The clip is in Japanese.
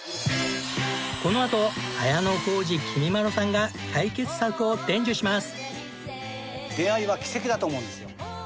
このあと綾小路きみまろさんが解決策を伝授します。